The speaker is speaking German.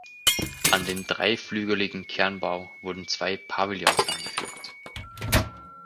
An den dreiflügeligen Kernbau wurden zwei Pavillons angefügt.